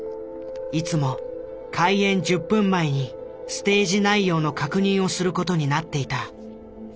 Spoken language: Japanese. いつも開演１０分前にステージ内容の確認をする事になっていた。